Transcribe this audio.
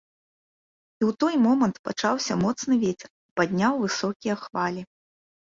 І той момант пачаўся моцны вецер і падняў высокія хвалі.